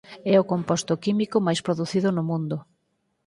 É o composto químico máis producido no mundo.